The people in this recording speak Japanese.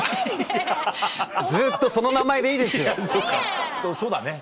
ずっとその名前でいいですよ。ねぇ！